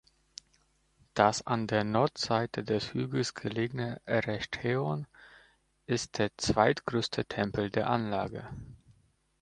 Das an der Nordseite des Hügels gelegene Erechtheion ist der zweitgrößte Tempel der Anlage.